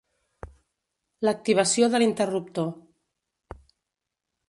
L'activació de l'interruptor.